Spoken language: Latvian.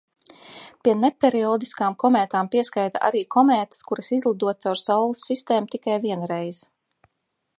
Pie neperiodiskām komētām pieskaita arī komētas, kuras izlido caur Saules sistēmu tikai vienreiz.